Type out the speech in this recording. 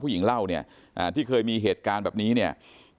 หญิงเล่าเนี่ยที่เคยมีเหตุการณ์แบบนี้เนี่ย